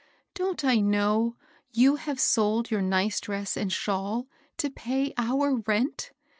Don*t I know you have soW your nice dress and i^awl to pay our rent?